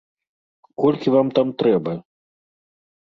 Колькі вам там трэба?